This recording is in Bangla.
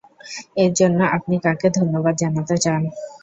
এর জন্য আপনি কাকে ধন্যবাদ জানাতে চান?